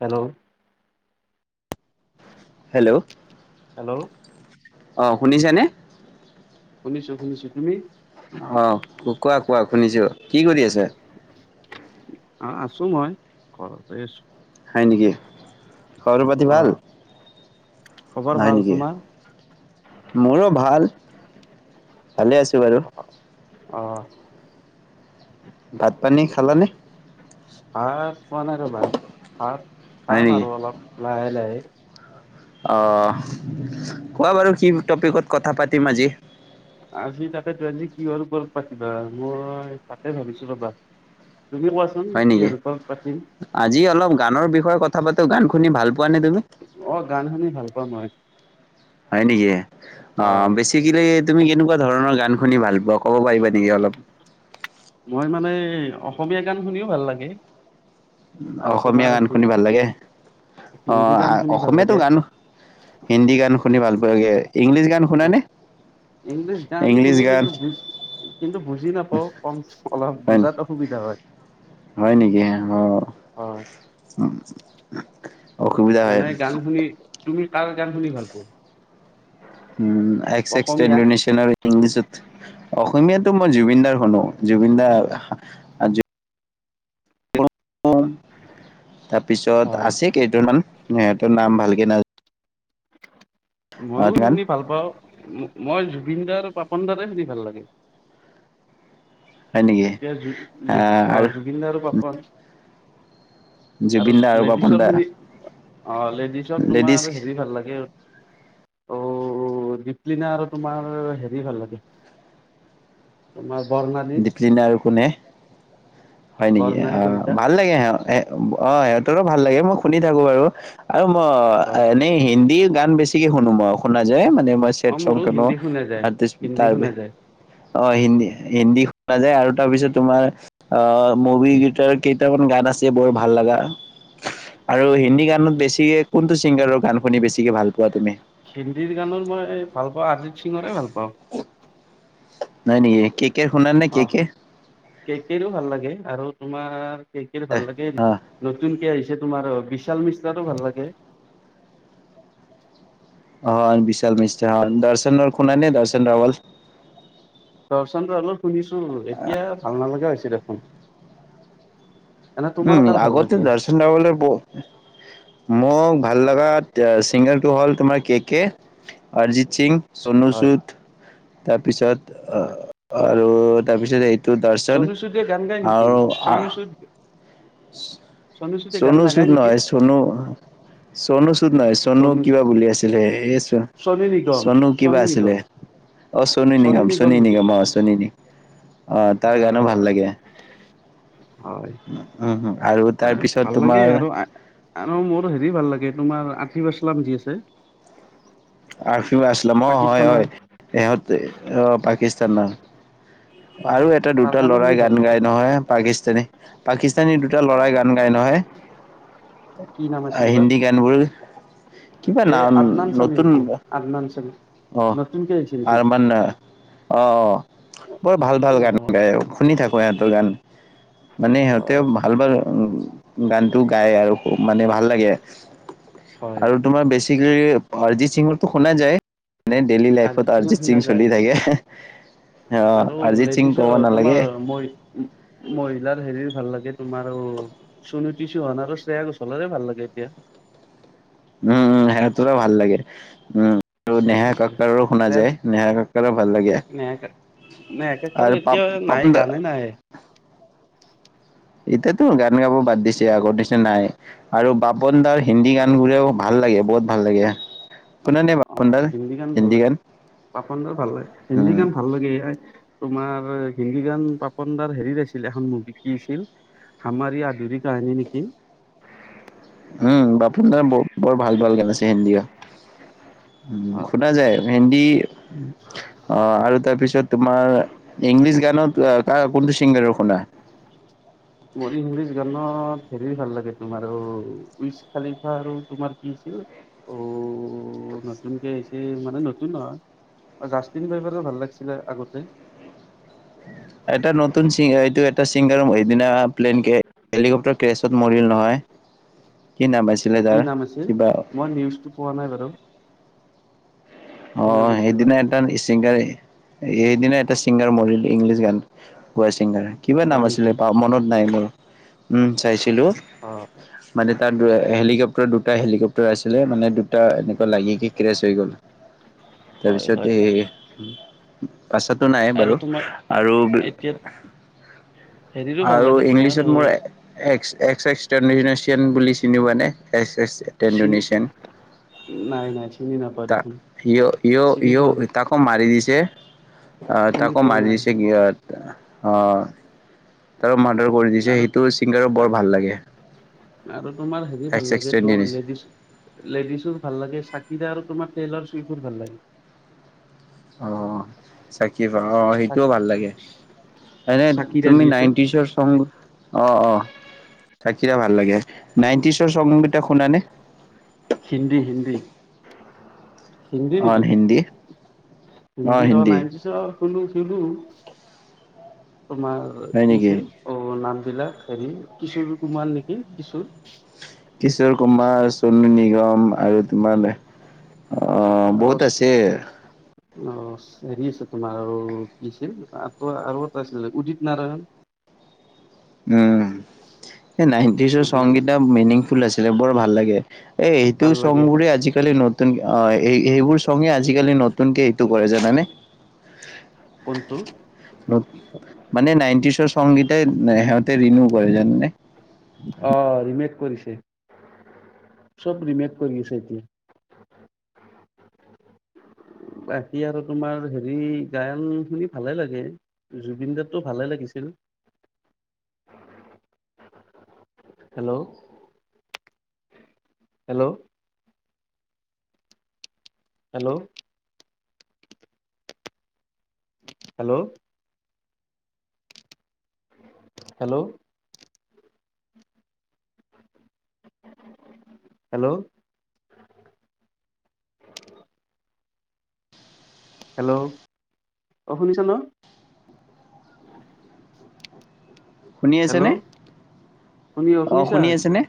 Hello. Hello. Hello. অ শুনিছানে? শুনিছো শুনিছো তুমি। অ কোৱা কোৱা শুনিছো কি কৰি আছে আৰু আছো মই ঘৰতে আছো। হয় নেকি খবৰ পাতি অ ভাল খবৰ হয় ভাল নেকি। তোমাৰ মোৰো ভাল ভালে আছো বাৰু। অহ। ভাত পানী খালানে? ভাত পোৱা নাই ৰ'বা ভাত। হয় পাম আৰু অলপ লাহে লাহে। [inaudible] আহ কোৱা বাৰু কি টপিকত কথা পাতিম আজি? আজি তাতে ত আজি কিহৰ ওপৰত পাতিবা? মই তাতে ভাবিছো ৰবা। তুমি কোৱাচোন হয় নেকি? কিহৰ ওপৰত পাতিম আজি অলপ গানৰ বিষয়ে কথা পা। তো গান শুনি ভাল পোৱা নে তুমি? অ গান শুনি ভাল পাওঁ মই [inaudible] হয় নেকি? আহ হয় বেছিকেলি। তুমি কেনো। এনেকুৱা ধৰণৰ গান শুনি ভাল পোৱা কব পাৰিবা নেকি অলপ? মই মানে অসমীয়া গান শুনিও ভাল লাগে। আৰু তোমাৰ অসমীয়া গান শুনি ভাল লাগে। অ হিন্দী গান শুনি ভাল অসমীয়াতো লাগে গান, হিন্দী গান। শুনি ভাল পোৱাগৈ। অ ইংলিছ গান ইংলিছ শুনো গান কিন্তু বুজ কিন্তু বুি। বুজি নাপাওঁ, কম অলপ হয় বুজাত অসুবিধা হয় হয় নেকি অ অ উ [inaudible] এনে গান শুনি তুমি। কাৰ গান শুনি ভাল পোৱা? উ এক্স এক্স অসমীয়া তেন্দেনেছ আৰু ইংলিছত, অসমীয়াত। মই জুবিন দাৰ শুনো, জুবিন দাৰ [inaudible] তাৰপিছত আছে কেইজনমান। সিহঁতৰ নাম ভালকে না। মইও গান শুনি ভাল পাওঁ, মই জুবিনদাৰ। পাপন দাৰে শুনি ভাল লাগে। হয় নেকি এতিয়া জু জু আহ জুবিনদাৰো পাপন আৰু জুবিন দা পাপন লেডিছৰ দা শুনি অ লেডিছত লেডিজ তোমাৰ হেৰি ভাল লাগে। অ, দিপলিনা আৰু তোমাৰ হেৰি ভাল লাগে, তোমাৰ বৰ্ণালী। দীপলিনা আৰু কোনে? হয় নেকি? বৰ্ণালী অ কলিতা ভাল লাগে অ [inaudible] তৰো ভাল লাগে মই শুনি থাকো বাৰু। আৰু মই হয় এনেই হিন্দী। গান বেছিকে শুনো মই, শুনা যায়। মানে মই অ ছেদ সং মোৰো শুনো। হিন্দী শুনা যায় হিন্দী শুনা যায় [unintelligible] অ হিন্দী। হিন্দী শুনা যায়, আৰু তাৰ পিছত তোমাৰ আহ, মুভি গীতৰ কেইটামান গান আছে বৰ ভাল লগা। আৰু হিন্দী গানত বেছি কোনটো ছিংগাৰৰ গান শুনি বেছি হিন্দীৰ গানৰ মই ভাল পাওঁ অজিত সিঙৰে ভাল পাওঁ নাই নাই একে কে শুনাৰ নে কি কে সও ভাল লাগে আৰু তোমাৰ। এক ভাল লাগে, নতুনকে আহিছে তোমাৰ। বিশাল মিশ্ৰাতটো ভাল লাগে। হয় বিশাল মিস্ৰ হয়। দৰ্শন খুোনাই নে দৰ্শন ৰাৱল? দৰ্শন অলপ শুনিছো, এতিয়া ভাল নালগা হৈছে দেখোন। এনে তোমাৰ উম কাৰ ভাল আগতে লাগে দৰ্শন ৰোৱালে, মোক ভাল লাগ। চিংগাৰটো হ'ল তোমাৰ কে কে আৰ সিং হয় সনচুত তাৰপিছত। অ হয় [unintelligible] আৰু তাৰপিছত এই চনু চেতিয়াই গান গায় নেকি? চনু চেতিয়া। চনু চুদ নেকি নহয় চনু চনু চুদ নহয় চনু কিবা বুলি আছিলে। এ চ চনু নিগম চনু কিবা নিগম আছিলে। অ চনু নিগাম নিগম চনী নেকি নিগাম অ চনী নিগম। আহ, তাৰ অ গানো ভাল লাগে। হয় উম হম আৰু তাৰপিছত ভাল লাগে তোমাৰ আৰু। আৰু মোৰ হেৰি ভাল লাগে তোমাৰ। আতিফ আছলাম যি আছে। আৰফিফ আছলাম অ হয় পাকিস্তানৰ হয়। সিহঁতে আহ পাকিস্তান ন। হয় আৰু হয় এটা তাৰ দুটা গানো শুনি লৰাই ভাল গান লাগে গায় নহয় পাকিস্তানী। পাকিস্তানী দুটা ল'ৰাই গান গায় নহয়। কি নাম অ আছিল বা হিন্দী গানবোৰো। কিবা এই নাম আদনান নত স্বামী নেকি আদনাম চনী, নতুনকে আহছিল নেকি? আহঁ ', আহ। বৰ ভাল ভাল গান গাই। শুনি থাকো। হয়টোগান। মানে সিহঁতেও হয় ভাল ভাল। গানটো গায় আৰু। মানে ভাল লাগে। হয় আৰু তোমাৰ বেছি। টিকলি [unintelligible] অৰজিত সিংৰটো শুনা যায়। মানে ডেইলি লাইফত অৰজিত সিংৰ অৰিজিত সিং শুনা চলি যায়। থাকে অ আৰু অৰিজিত সিং ক'ব লেডিছ নালাগে তোমাৰ ম- মহিলাৰ হেৰি ভাল লাগে। তোমাৰো কিছু হোৱা নাই আৰু স্নেহা গোছলাৰো ভাল লাগে এতিয়া উম উম হেৰা তোৰো ভাল লাগে উম আৰু শ্ৰেয়া নেহা ঘোষাল কককাৰো শুনা শ্ৰেয়া যায় নেহা কককাৰো ভাল লাগে নেহা নেহা কাক্কাৰৰ আৰু এতিয়া পাপ নাই পাপন দা গানে নাহে। এতিয়াতো গান গাব বাদ দিছে আগৰ নিচিনা নাই আৰু বাপু পাপন দাৰ হিন্দী গানবোৰেও ভাল লাগে বহুত ভাল লাগে শুনা নে অ বাপন দাৰ হিন্দী গান ভাল লাগে পাপনডাৰ ভাল লাগে হিন্দী উম গান ভাল লাগে তোমাৰ হিন্দী গান পাপনদাৰ হেৰিত আছিল এখন মুভি আছিল হামাৰ ই আধুৰি কাহিনী নেকি ডে ইণ্ডিয়া উ হয় সোধা যায় ভেন্দি [inaudible] অ আৰু তাৰপিছত ত তোমাৰ ইংলিছ গানত আ ক কোনটো ছিংগাৰৰ শুনা মোৰ ইংলিছ গানত হেৰিৰ ভাল লাগে তোমাৰ উইচ খালিফা আৰু তোমাৰ কি হৈছিল অ নতুনকে আহিছে মানে নতুন হয় জাষ্টিন বাইবাৰ ভাল লাগিছিলে আগতে এটা নতুন ছিং এ এইটো এটা ছিংগাৰ সেদিনা প্লেনকে হেলিকপ্টাৰ কেছত মৰিল নহয় কি নাম আছিলে কি তাৰ নাম আছিল কিবা অ মই নিউজটো পোৱা নাই বাৰু অ কি নাম আছিল বা সেইদিনা এদান ছিংগাৰে এইদিনা এটা ছিংগাৰ মৰিল ইংলিছ গান গোৱা ছিংগাৰ কিবা নাম হয় আছিলে নেকি তাৰ মনত নাই মোৰ উম চাইছো দিলো অ মানে তাৰ দো হেলিকপ্টাৰ দুখন এটা হেলিকপ্টাৰ আছিলে মানে দুটা এনেকুৱা লাগি কিনি কেচ হৈ হয় তাৰপিছত হয় এই পাছাততো নাই আৰু বাৰু তোমাৰ আৰু এতিয়া হেৰিৰো ভাল আৰু লাগে তোমাৰ ইংলিছত মোৰ একচ একচটন দি পেলাই চিয়েন বুলি চিনি পোৱা নে এছ এছ চিন টেডুনেচিয়ন নাই নাই চিনি নাপাওঁ ত দেখোন চিনি পোৱা নাই, তাকো মাৰি দিছে অ শুনি তাকো পোৱা মাৰি নাই দিছে অ তাৰ ম আৰু আৰু তোমাৰ হেৰি ভাল এক্স এক্স লাগে ট্ৰেণ্ডিং তোৰ লেডিছ লেডিছৰ ভাল লাগে চ সতি আৰু তোমাৰ টেইলাৰ চুইবোৰ ভাল লাগে অ চাকি অ চাক সেইটোও ভাল লাগে এনে চাকিৰা তুমি যি আছে নাইনটিজৰ চ অ অ থাকিটা ভাল লাগে নাইনটিচৰকেইটা শুনানে হিন্দী হিন্দী হিন্দী অ নেকি হিন্দী হিন্দী অ [unintelligible] শুৰু তোমাৰ হয় নেকি কিছে অ নাম [unintelligible] হেৰি কিশোৰ কুমাৰ নেকি কিশোৰ কিশোৰ কুমাৰ চনু নিগম আৰু তোমাৰ অ অ বহুত আছে অ হেৰি আছে তোমাৰ আৰু কি আছিল ত আৰু এটা আছিলে উদিত নাৰায়ণ উম এই নাইনটিজৰ উদিত চঙকিটা নাৰায়ণ মিনিং ফুল আছিলে বৰ ভাল লাগে এ এইটো ভাল লাগে [unintelligible] আজিকালি নতু [unintelligible] ন আহ এই এইবোৰ চঙে আজিকালি নতুনকে এইটো কৰে জানানে কোনটো মানে নাইনটিছৰ চঙকেইটাই সিহঁতে ৰিণিউ কৰে জাননে অ ৰিমেক কৰিছে চব ৰিমেক কৰি আছে এতিয়া বাকী আৰু তোমাৰ হেৰি গান শুনি ভালে লাগে জুবিন দাৰটো ভালে লাগিছিল hello hello hello hello hello hello hello অঁ শুনিছ ন শুনি হেল্ল' আছেনে শুনি অ শুনিছা? শুনি আছেনে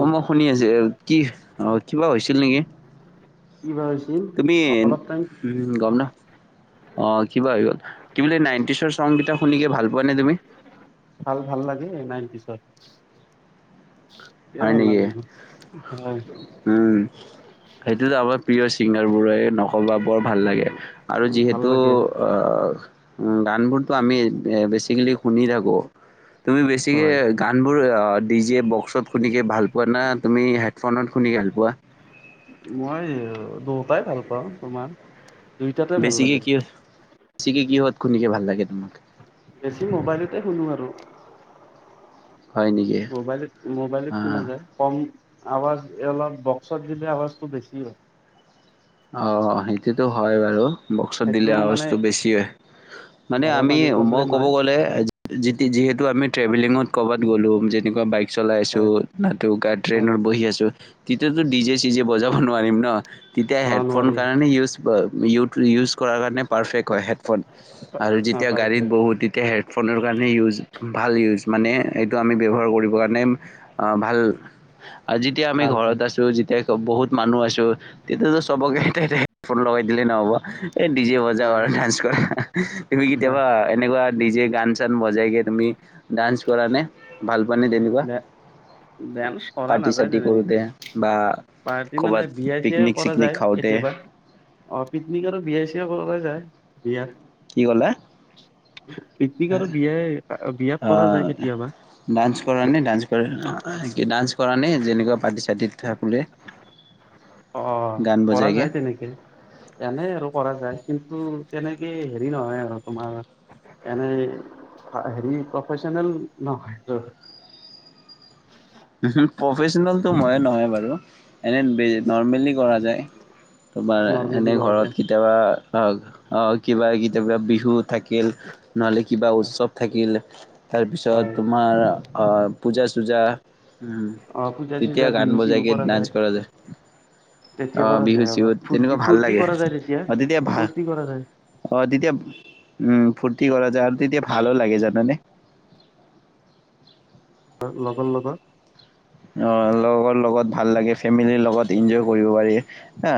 অ মই শুনি আছো কি অঁ কিবা হৈছিল নেকি কি বা হৈছিল তুমি অলপ টাইম [unintelligible] ন অ কিবা হৈ গল কি বোলে নাইনটিচৰ চঙ কিটা শুনি ভাল পোৱা নে তুমি ভাল ভাল লাগে নাইনটিজৰ হয় নেকি হয় উম সেইটোতো আমাৰ প্ৰিয় চিঙ্গাৰবোৰে ন সবা বৰ ভাল লাগে আৰু ভাল যিহেতু লাগে গানবোৰতো আমি বেছিকেলি শুনি থাকোঁ তুমি বেছিকে হয়। গান বোৰ অ ডি জে বক্সত শুনিকে ভাল পোৱা না তুমি হেডফোনত শুনি ভাল পোৱা মই দুয়োটাই ভাল পাওঁ তোমাৰ দুইটাতে ভাল বেছিকে লাগে কি বেছিকে কিহত খুনিকে ভাল লাগে তোমাক বেছি মোবাইলতে শুনো আৰু। হয় নেকি? মোবাইলত মোবাইলত কনে অ', যায় কম। আৱাজ অলপ বক্সত দিলে আৱাজটো বেছি হয়। অ', সেইটোতো হয় বাৰু। বক্সত সেইটো দিলে মানে আজটো বেছিয়ে মানে ঘৰৰ আমি মানুহ মই প্ৰব্লেম ক'ব হয় গ'লে এ যিতি যিহেতু আমি ৰ্টেভেলিং ত কবাত গলো যেনকুৱা বাইক। চলাই আছো হয় নাইত হয় ট্ৰেইনত বহি আছো তেতিয়াতো ডি জে চিজে বজাব। নোৱাৰিম ন এতিয়া অ হেডফোন নোৱাৰি কাৰণে ইউজ। ব ইউট ইউজ কৰাৰ কাৰণে পাৰফেক্ট হয় হেডফোন আৰু অ যেতিয়া গাড়ীত পাৰফেক্ট বহোঁ তেতিয়া হেডফোনৰ কাৰণে ইউজ ভাল ইউজ। মানে এইটো আমি ব্যৱহাৰ কৰিবৰ কাৰণে ভাল। আৰু যেতিয়া আমি ভাল ঘৰত ভাল আছোঁ যেতিয়া। বহুত মানুহ আছো। তেতিয়াতো চবকে হেডফোন লগাই দিলেই নহ'ব। এই ডিজে বজাও হয় আৰু ডান্স কৰা হা হা তুমি অ কেতিয়াবা এনেকুৱা নিজে গান চান। বজাইকে তুমি দাঞ্চ কৰানে ভাল মানে তেনেকুৱা ডে ডেন্স কৰা পাৰ্টি নাযায় চাৰ্টি কৰোতে তেনেকে বা পাৰ্টি ক মানে বাত। বিয়া কৰা যায় কেতিয়াবা অ পিকনিক আৰু বিয়া চিয়াত কৰা যায়। বিয়া। কি কলাঁ? পিকনিক আৰু বিয়াই বিয়াত কৰা আহ, যায় কেতিয়াবা। ডান্স কৰা নে ডান্স কৰে ডান্স কৰা নে যেনেকুৱা পাৰ্তি চাৰ্তিত। অ, গান পৰা বজাইকে যায় তেনেকে এনে আৰু কৰা যায় কিন্তু? তেনেকে হেৰি নহয় আৰু তোমাৰ এনে হেৰি প্ৰফেচনেল নহয়। উহু প্ৰফেচনেলটো ময়ো নহয় বাৰু। এনে বে নৰ্মেলি কৰা যায় তোমাৰ নৰ্মেলি এনেই কৰা যায়। ঘৰত কেতিয়াবা অ অ কিবা। কিবা বিহু থাকিল। নহ'লে কিবা উৎসৱ থাকিল। তাৰপিছত হয় তোমাৰ অ পূজা চূজা। অ পূজা চূজা তেতিয়া গান বিহু চিহু বজাইকে ডান্স কৰা যায়। তেতিয়া আহ কৰা বিহু যায় অলপ চিহুত ফূৰ্তি তেনেকুৱা ভাল ফূৰ্তি লাগে। কৰা যায় অ তেতিয়া ভা, ফূৰ্তি কৰা যায় অহ তেতিয়া উম ফূৰ্তি কৰা যায় আৰু তেতিয়া ভালো লাগে জানানে। লগৰ লগত। অ লগৰ লগত ভাল লাগে, ফেমিলিৰ লগত ইনজয় কৰিব পাৰি হা।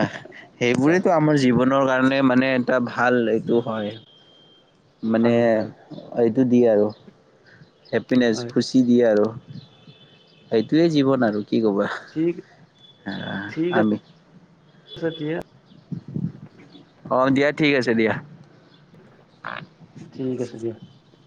সেইবোৰেইতো আমাৰ জীৱনৰ কাণ মানে মানে এটা ভাল, এইটো হয়। মানে ভাল ভাল আইট টো দি আৰু। হেপিনেছ হয় খুচি দিয়ে আৰু। সেইটোৱেই জীৱন আৰু। কি ক'বা? ঠিক আ আমি ছে এতিয়া অ', দিয়া ঠিক আছে দিয়া। ঠিক আছে দিয়া [unintelligible]